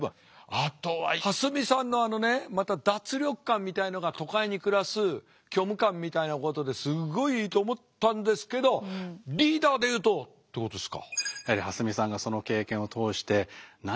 あとは蓮見さんのあのねまた脱力感みたいのが都会に暮らす虚無感みたいなことですごいいいと思ったんですけどリーダーでいうとってことですか。